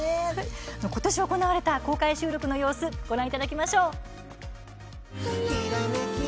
ことし行われた公開収録の様子をご覧いただきましょう。